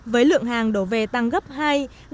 với lượng hàng đổ về tăng gấp hai triệu